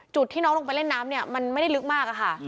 จุดที่น้องลงไปเล่นน้ำมันไม่ได้ลึกมาก